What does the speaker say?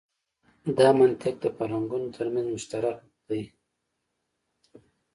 دا منطق د فرهنګونو تر منځ مشترک دی.